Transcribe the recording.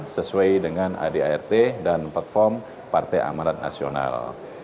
sesuai dengan adart dan platform partai amarat nasional